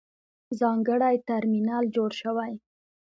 ځانګړی ترمینل جوړ شوی.